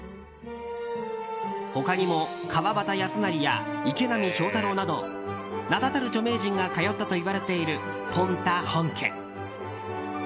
他にも川端康成や池波正太郎など名だたる著名人が通ったといわれている、ぽん多本家。